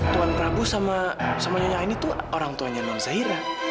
tuan prabu sama semuanya ini tuh orang tuanya non zahira